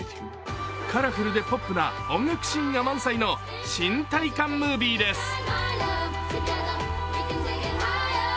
カラフルでポップな音楽シーンが満載の新体感ムービーです。